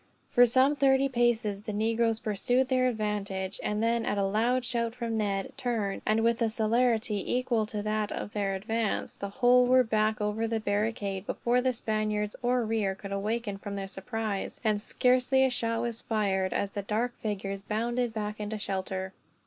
For some thirty paces, the negroes pursued their advantage; and then at a loud shout from Ned turned, and with a celerity equal to that of their advance, the whole were back over the barricade, before the Spaniards in rear could awaken from their surprise; and scarcely a shot was fired, as the dark figures bounded back into shelter.